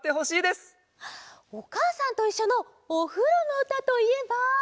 「おかあさんといっしょ」のおふろのうたといえば。